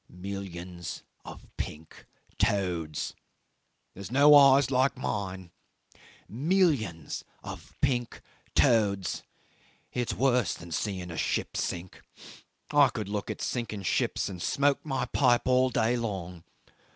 "Millions of pink toads. There's no eyes like mine. Millions of pink toads. It's worse than seeing a ship sink. I could look at sinking ships and smoke my pipe all day long.